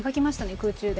空中で。